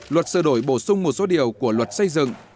luật sửa đổi bổ sung một số điều của luật xây dựng